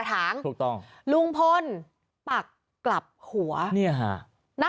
ทั้งหลวงผู้ลิ้น